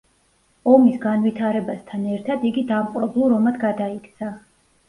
ომის განვითარებასთან ერთად, იგი დამპყრობლურ ომად გადაიქცა.